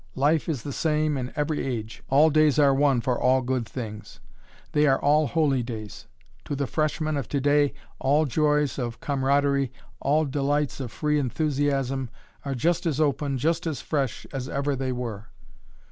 Life is the same in every age. All days are one for all good things. They are all holy days; to the freshman of today, all joys of comradery, all delights of free enthusiasm are just as open, just as fresh as ever they were.